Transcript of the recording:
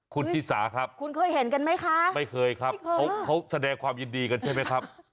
คุณศิษย์สาครับไม่เคยครับเขาแสดงความยินดีกันใช่ไหมครับ